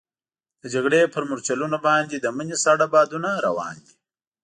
د جګړې پر مورچلونو باندې د مني ساړه بادونه روان دي.